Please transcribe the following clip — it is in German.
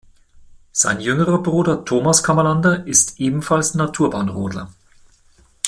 Sein jüngerer Bruder Thomas Kammerlander ist ebenfalls Naturbahnrodler.